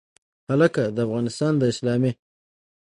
هکله، د افغانستان د اسلامي